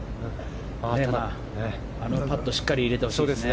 あのパットしっかり入れてほしいですね。